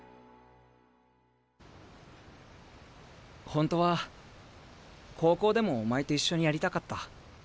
本当は高校でもお前と一緒にやりたかった。